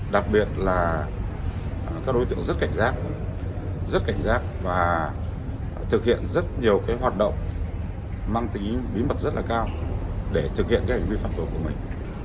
đặc biệt là các đối tượng rất cảnh giác rất cảnh giác và thực hiện rất nhiều hoạt động mang tính ý bí mật rất là cao để thực hiện hành vi phản đối của mình